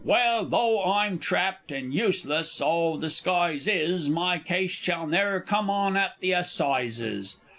Well, though I'm trapped, and useless all disguise is, My case shall ne'er come on at the Assizes!